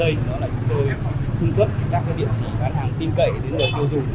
đó là chúng tôi cung cấp các cái địa chỉ bán hàng tin cậy đến người tiêu dùng